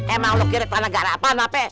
emang lu kira tanah garapan apa